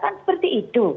kan seperti itu